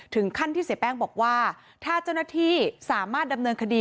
ถึงขั้นที่เสียแป้งบอกว่าถ้าเจ้าหน้าที่สามารถดำเนินคดี